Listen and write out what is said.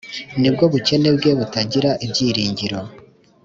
nibwo bukene bwe butagira ibyiringiro